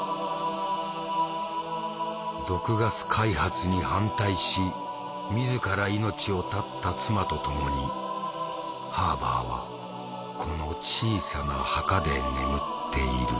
毒ガス開発に反対し自ら命を絶った妻と共にハーバーはこの小さな墓で眠っている。